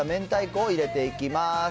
たいこを入れていきます。